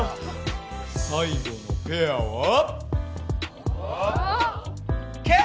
最後のペアはおっ！